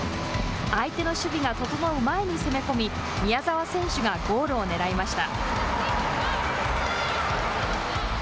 相手の守備が整う前に攻め込み宮澤選手がゴールをねらいました。